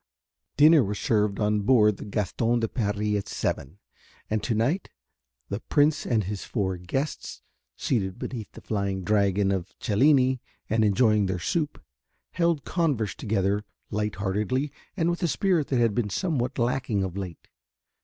Dinner was served on board the Gaston de Paris at seven, and to night the Prince and his four guests, seated beneath the flying dragon of Cellini and enjoying their soup, held converse together light heartedly and with a spirit that had been somewhat lacking of late.